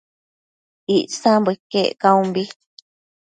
Icsambo iquec caunbi